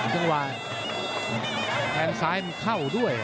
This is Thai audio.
จึงว่าแทงซ้ายเข้าด้วย